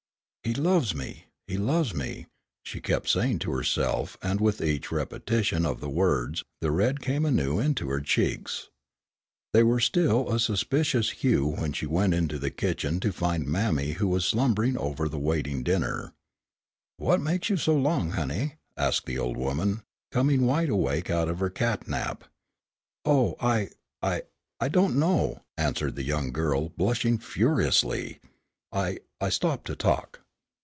"He loves me, he loves me," she kept saying to herself and with each repetition of the words, the red came anew into her cheeks. They were still a suspicious hue when she went into the kitchen to find mammy who was slumbering over the waiting dinner. "What meks you so long, honey," asked the old woman, coming wide awake out of her cat nap. "Oh, I I I don't know," answered the young girl, blushing furiously, "I I stopped to talk."